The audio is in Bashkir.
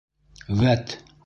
Вәт!